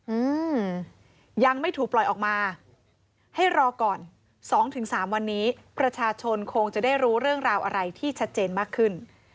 อืมยังไม่ถูกปล่อยออกมาให้รอก่อนสองถึงสามวันนี้ประชาชนคงจะได้รู้เรื่องราวอะไรที่ชัดเจนมากขึ้น